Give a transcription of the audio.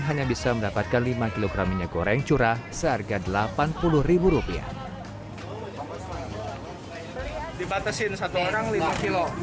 hanya bisa mendapatkan lima kg minyak goreng curah seharga delapan puluh rupiah dibatasin satu orang lima kg